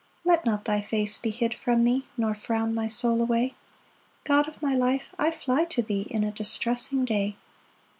2 Let not thy face be hid from me, Nor frown my soul away; God of my life, I fly to thee In a distressing day.